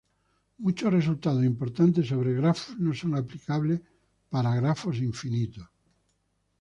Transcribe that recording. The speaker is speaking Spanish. Muchos resultados importantes sobre grafos no son aplicables para "grafos infinitos".